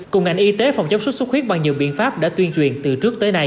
cùng ngành y tế phòng chống xuất xuất huyết bằng nhiều biện pháp đã tuyên truyền từ trước tới nay